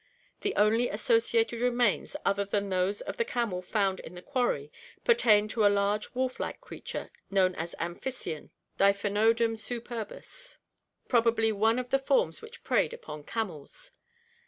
The only associated remains other than those of the camel found in the quarry pertain to a large wolf like creature known as Amphicyon (=Daph<Bnodon superbus), probably one of the forms which preyed upon the camels.